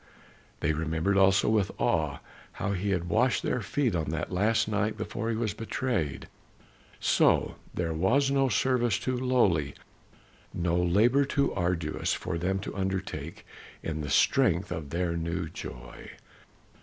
They remembered also with awe how he had washed their feet on that last night before he was betrayed. So there was no service too lowly, no labor too arduous for them to undertake in the strength of their new joy.